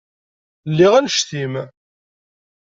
Lliɣ annect-im.